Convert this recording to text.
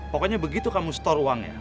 pokoknya begitu kamu store uangnya